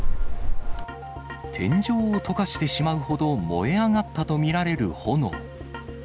天井を溶かしてしまうほど燃え上がったと見られる炎。